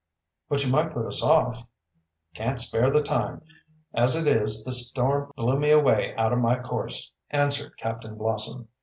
"But you might put us off." "Can't spare the time. As it is, this storm blew me away out of my course," answered Captain Blossom.